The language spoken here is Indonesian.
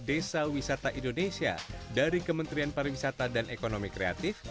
desa wisata indonesia dari kementerian pariwisata dan ekonomi kreatif